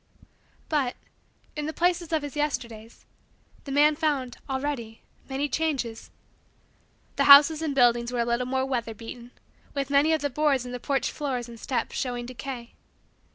But, in the places of his Yesterdays, the man found, already, many changes. The houses and buildings were a little more weather beaten, with many of the boards in the porch floors and steps showing decay.